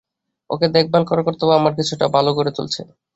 ওকে দেখভাল করার কর্তব্য, আমায় কিছুটা ভালো করে তুলেছে।